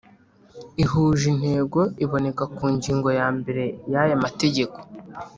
ihuje intego iboneka ku ngingo yambere y ayamategeko